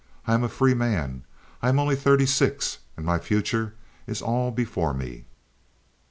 I am a free man. I am only thirty six, and my future is all before me."